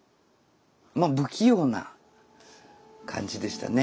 まあ不器用な感じでしたね。